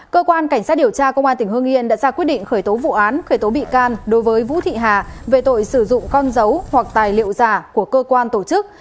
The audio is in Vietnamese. cơ quan cảnh sát điều tra công an tỉnh hương yên đã ra quyết định khởi tố vụ án khởi tố bị can đối với vũ thị hà về tội sử dụng con dấu hoặc tài liệu giả của cơ quan tổ chức